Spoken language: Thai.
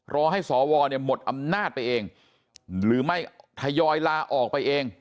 รอให้สวเนี่ยหมดอำนาจไปเองหรือไม่ทยอยลาออกไปเอง